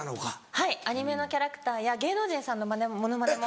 はいアニメのキャラクターや芸能人さんのモノマネも。